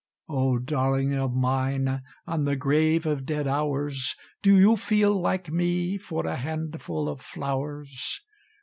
O darling of mine, on the grave of dead Hours, Do you feel, like me, for a handful of flowers?